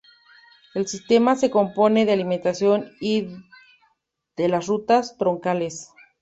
El sistema se compone de alimentación y de las rutas troncales.